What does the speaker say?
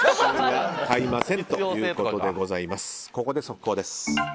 ここで速報です。